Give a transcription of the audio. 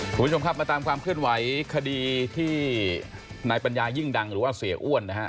คุณผู้ชมครับมาตามความเคลื่อนไหวคดีที่นายปัญญายิ่งดังหรือว่าเสียอ้วนนะฮะ